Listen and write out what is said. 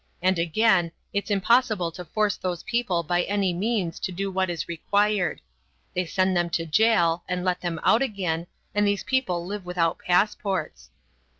And again, it's impossible to force those people by any means to do what is required. They send them to jail, and let them out again, and these people live without passports.